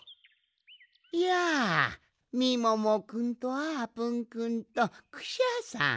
やあみももくんとあーぷんくんとクシャさん。